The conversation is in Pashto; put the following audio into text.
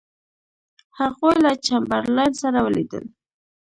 هغوی له چمبرلاین سره ولیدل.